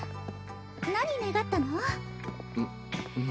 何願ったの？